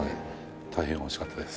大変美味しかったです。